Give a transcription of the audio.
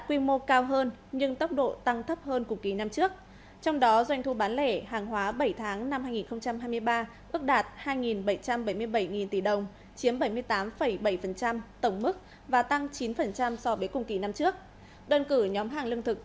trong đó doanh thu bán lẻ hàng hóa bảy tháng năm hai nghìn hai mươi ba ước đạt ba bảy trăm bảy mươi bảy ba nghìn tỷ đồng chiếm một mươi bảy tổng mức và tăng một mươi sáu ba so với cùng kỳ năm trước